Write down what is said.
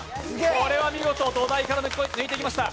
これは見事、度台から抜いていきました。